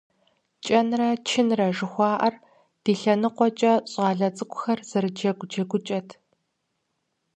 КӀэнрэ чынрэ жыхуаӏэр ди лъэныкъуэкӏэ щӀалэ цӀыкӀухэр зэрыджэгу джэгукӀэт.